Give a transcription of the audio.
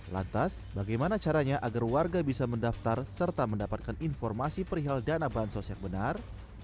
lantas bagaimana caranya agar warga bisa mendaftar serta mendapatkan informasi perihal dana bansos yang benar